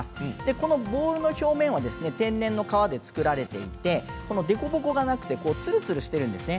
このボールの表面は天然の革で作られていてデコボコがなくてつるつるしているんですね。